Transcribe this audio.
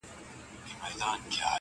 د مرغانو په کتار کي راتلای نه سې؛